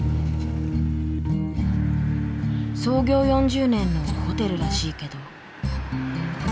創業４０年のホテルらしいけど。